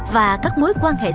và các mối quan hệ xã hội